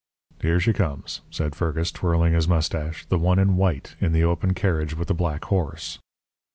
"'Here she comes,' said Fergus, twirling his moustache 'the one in white, in the open carriage with the black horse.'